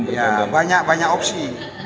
ya banyak banyak opsi